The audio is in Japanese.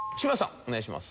お願いします。